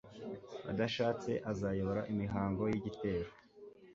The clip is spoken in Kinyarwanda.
adashatse uzayobora imihango y'igitero